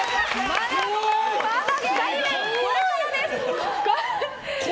まだ２人目、これからです。